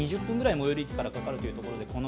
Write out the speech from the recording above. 最寄り駅からかかるということです。